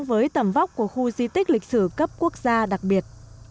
với tầm vóc của khu di tích lịch sử cấp quốc gia đặc biệt